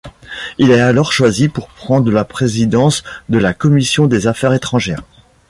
Il est alors choisi pour prendre la présidence de la commission des Affaires étrangères.